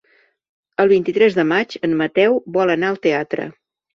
El vint-i-tres de maig en Mateu vol anar al teatre.